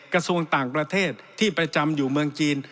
กระทรวงต่างประเทศที่ประจำอยู่เมืองจีน